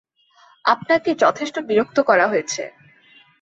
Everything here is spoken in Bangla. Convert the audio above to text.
আপনাকে যথেষ্ট বিরক্ত করা হয়েছে।